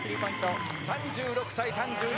３６対３１。